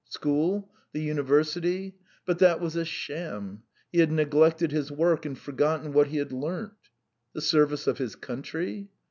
School? The university? But that was a sham. He had neglected his work and forgotten what he had learnt. The service of his country?